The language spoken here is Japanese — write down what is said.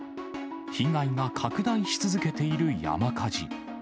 被害が拡大し続けている山火事。